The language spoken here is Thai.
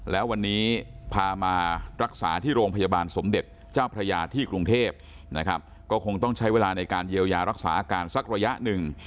แล้ววันนี้พามารักษาที่โรงพยาบาลสมเด็จเจ้าพระยาที่กรุงเทพนะครับก็คงต้องใช้เวลาในการเยียวยารักษาอาการสักระยะหนึ่ง